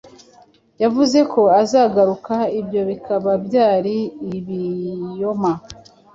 Yavuze ko azagaruka, ibyo bikaba byari ibioma.